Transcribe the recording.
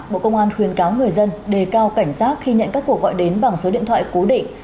bộ công an khuyên cáo người dân đề cao cảnh giác khi nhận các cuộc gọi đến bằng số điện thoại cố định